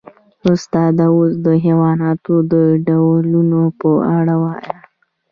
استاده اوس د حیواناتو د ډولونو په اړه ووایئ